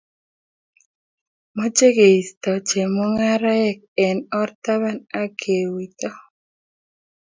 Mochei keisto chemungaraek ang or taban ak keuito